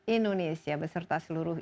indonesia beserta seluruh